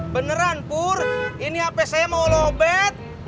beneran pur ini apa saya mau lobet